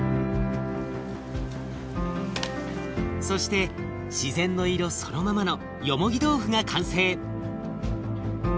そして自然の色そのままのよもぎ豆腐が完成。